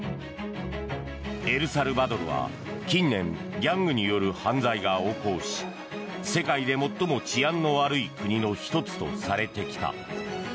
エルサルバドルは近年ギャングによる犯罪が横行し世界で最も治安の悪い国の１つとされてきた。